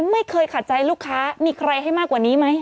ไม่เคยขาดใจลูกค้ามีใครให้มากกว่านี้ไหม